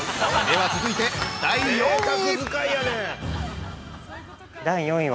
◆では続いて、第４位！